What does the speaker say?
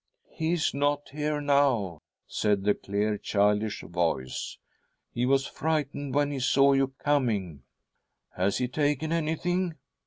' He is not here now,' said the clear childish voice; 'he was frightened when he saw you coming.' Has he taken anything